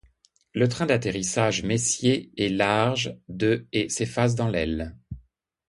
Le train d'atterrissage Messier est large de et s'efface dans l'aile.